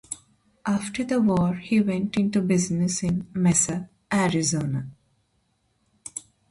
After the war, he went into business in Mesa, Arizona.